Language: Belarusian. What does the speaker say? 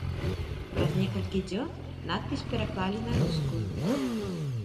Праз некалькі дзён надпіс пераклалі на рускую.